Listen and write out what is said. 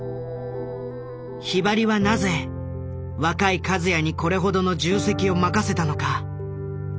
ひばりはなぜ若い和也にこれほどの重責を任せたのか？